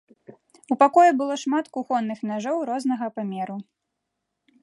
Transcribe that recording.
У пакоі было шмат кухонных нажоў рознага памеру.